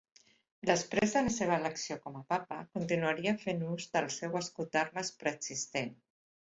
Després de la seva elecció com a Papa, continuaria fent ús del seu escut d'armes preexistent.